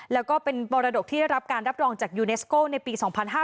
แล้วก็เป็นมรดกที่ได้รับการรับรองจากยูเนสโก้ในปี๒๕๕๙